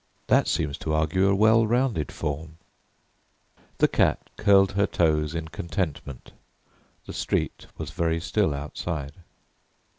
That seems to argue a well rounded form." The cat curled her toes in contentment. The street was very still outside.